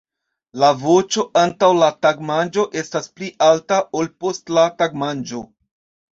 La voĉo antaŭ la tagmanĝo estas pli alta, ol post la tagmanĝo.